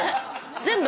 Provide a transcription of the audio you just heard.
全部？